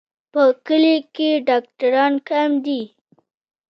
په کلیو کې ډاکټران کم دي.